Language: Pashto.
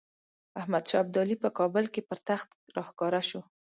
احمدشاه ابدالي په کابل پر تخت راښکاره شو.